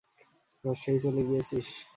রাজশাহী চলে গিয়েছিস?